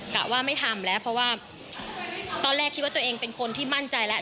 กะว่าไม่ทำแล้วเพราะว่าตอนแรกคิดว่าตัวเองเป็นคนที่มั่นใจแล้ว